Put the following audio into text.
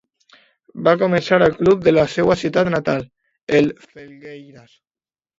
Va començar al club de la seua ciutat natal, el Felgueiras.